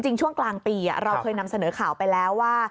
ช่วงกลางปีเราเคยนำเสนอข่าวไปแล้วว่า